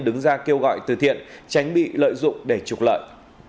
đứng ra kêu gọi từ thiện tránh bị lợi dụng để trục lợi